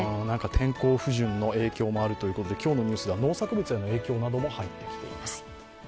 天候不順の影響もあるということで、今日のニュースでは農作物への影響なども入ってきています。